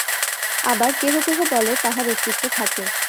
আবার কেহ কেহ বলে তাহার অস্তিত্ব থাকে।